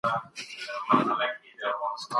ايا تاسو د خپل هېواد سياسي تاريخ مطالعه کوئ؟